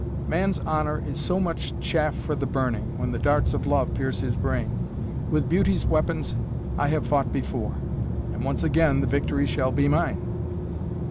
"Man's honor is so much chaff for the burning, when the darts of love pierce his brain. With beauty's weapons I have fought before, and once again the victory shall be mine!"